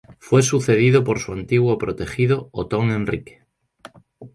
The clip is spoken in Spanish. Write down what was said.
Fue sucedido por su antiguo protegido Otón Enrique.